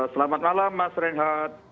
selamat malam mas reinhard